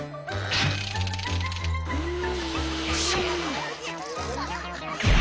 うん。